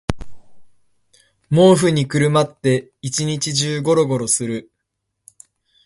毛布にくるまって一日中ゴロゴロする